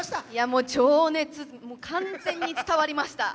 もう情熱完全に伝わりました。